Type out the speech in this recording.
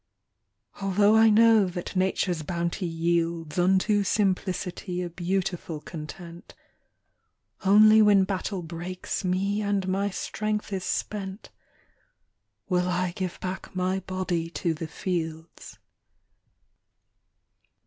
Although I know that Nature's bounty yields Unto simplicity a beautiful content, Only when battle breaks me and my strength is spent Will I give back my body to the fields.